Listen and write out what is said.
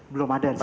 belum ada disitu ya